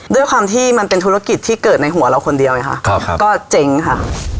ด้วยความที่มันเป็นธุรกิจที่เกิดในหัวเราคนเดียวไงค่ะก็เจ๋งค่ะ